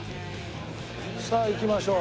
さあ行きましょう。